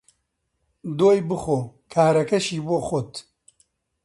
دۆی بخۆ، کارەکەشی بۆ خۆت